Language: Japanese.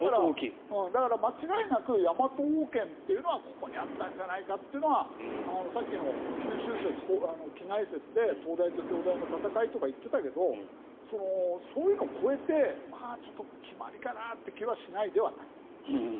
だから、間違いなくヤマト王権というのはここにあったんじゃないかというのはさっきの九州説と畿内説で東大と京大の戦いとか言っていたけどそういうのを超えて決まりかなという気はしないではない。